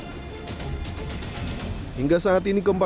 hingga saat ini keempat korban belum bisa menemukan korban